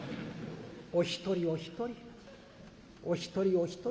お一人お一人お一人お一人。